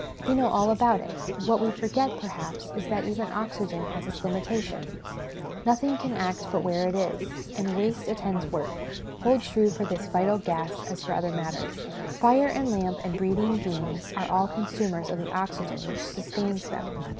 We know all about it ;' what we forget, perhaps, is, that even oxygen has its limitation : nothing can act but where it is, and, waste attends work, hold true for this vital gas as for other matters. Fire and lamp and breathing beings are all consumers of the oxygen which sustains them.